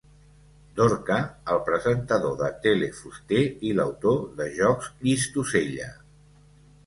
Dorca, el presentador de tele Fuster i l'autor de jocs Llistosella.